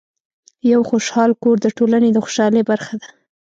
یو خوشحال کور د ټولنې د خوشحالۍ برخه ده.